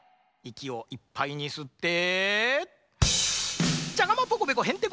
いきをいっぱいにすって。